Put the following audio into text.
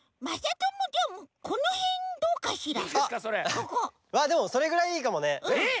まあでもそれぐらいいいかもね。え！？